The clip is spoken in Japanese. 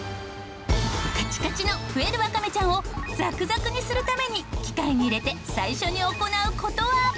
カチカチのふえるわかめちゃんをザクザクにするために機械に入れて最初に行う事は？